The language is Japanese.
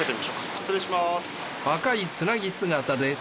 失礼します。